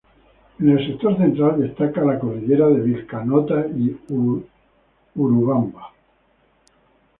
En el sector central destaca las cordilleras de Vilcanota y Urubamba.